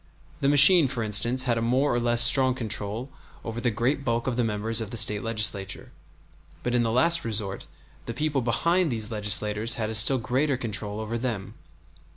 The machine, for instance, had a more or less strong control over the great bulk of the members of the State Legislature; but in the last resort the people behind these legislators had a still greater control over them.